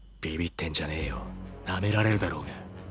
ビビってんじゃねぇよナメられるだろうが。